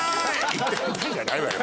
「言ってみたい」じゃないわよ